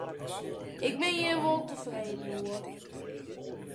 Ik bin hjir wol tefreden oer.